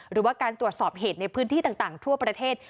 หรือว่าการตรวจสอบเหตุในพื้นที่ต่างทั่วประเทศ